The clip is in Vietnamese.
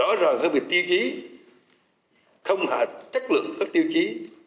rõ ràng các việc tiêu chí không hạ chất lượng các tiêu chí